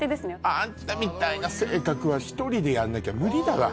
あんたみたいな性格は１人でやんなきゃ無理だわ。